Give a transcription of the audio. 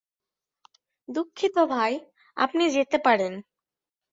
দুঃখিত ভাই, আপনি যেতে পারেন।